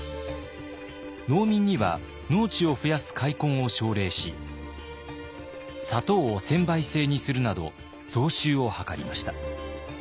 農民には農地を増やす開墾を奨励し砂糖を専売制にするなど増収を図りました。